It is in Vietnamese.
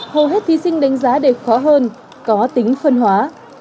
hầu hết thí sinh đánh giá đều khó hơn có tính phân hóa